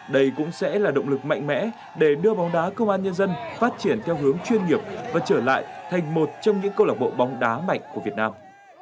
đây cũng sẽ là động lực mạnh mẽ để đưa bóng đá công an nhân dân phát triển theo hướng chuyên nghiệp và trở lại thành một trong những câu lạc bộ bóng đá mạnh của việt nam